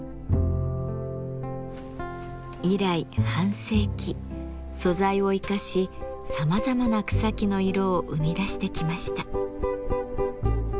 以来半世紀素材を生かしさまざまな草木の色を生み出してきました。